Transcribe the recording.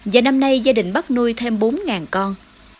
và năm nay gia đình bắt nuôi thêm bốn con